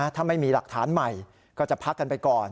ถ้าไม่มีหลักฐานใหม่ก็จะพักกันไปก่อน